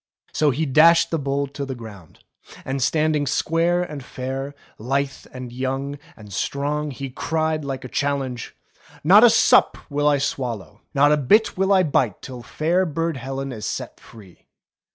So he dashed the bowl to the ground, and standing square and fair, lithe, and young, and strong, he cried like a chal lenge : *'Not a sup will I swallow, not a bit will I bite till fair Burd Helen is set free."